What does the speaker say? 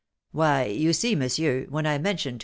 "Why, you see, monsieur, when I mentioned to M.